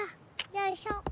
よいしょ。